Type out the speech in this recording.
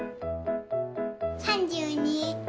３２。